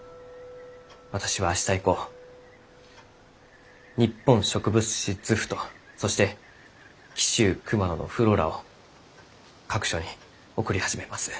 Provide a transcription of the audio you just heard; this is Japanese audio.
私は明日以降「日本植物志図譜」とそして紀州熊野のｆｌｏｒａを各所に送り始めます。